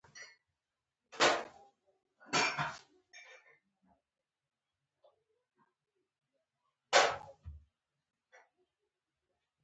ښځه د د نړۍ ښکلا ده.